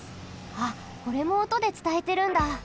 あっこれもおとでつたえてるんだ。